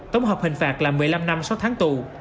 tổng hợp hình phạt là một mươi năm năm sáu tháng tù